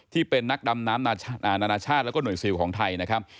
ที่เป็นนักดำน้ำนานาชาติแล้วก็หน่วยซิลของไทยนะครับ